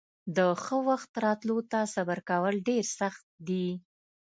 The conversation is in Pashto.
د ښه وخت راتلو ته صبر کول ډېر سخت دي.